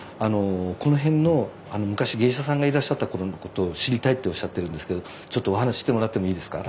この辺の昔芸者さんがいらっしゃった頃のことを知りたいっておっしゃってるんですけどちょっとお話ししてもらってもいいですか？